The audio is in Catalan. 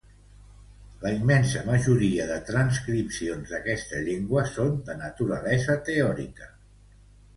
La immensa majoria de transcripcions d'esta llengua són de naturalesa teòrica.